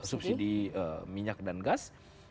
alokasi untuk subsidi minyak dan gas